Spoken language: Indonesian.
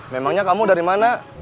memangnya kamu dari mana